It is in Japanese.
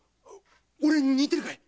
俺に似てるかい？